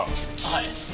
はい。